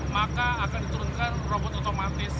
maka akan diturunkan robot otomatis